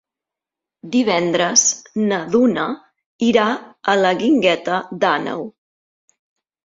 Divendres na Duna irà a la Guingueta d'Àneu.